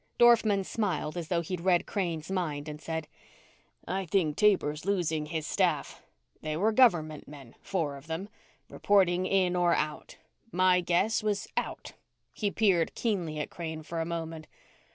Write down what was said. Dorfman smiled as though he'd read Crane's mind and said, "I think Taber's losing his staff. They were government men four of them reporting in or out. My guess was out." He peered keenly at Crane for a moment.